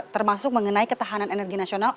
termasuk mengenai ketahanan energi nasional